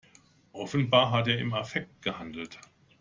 Offenbar hat er im Affekt gehandelt.